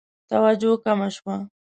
توجه کمه شوه.